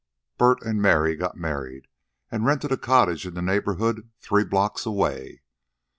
Bert and Mary got married and rented a cottage in the neighborhood three blocks away.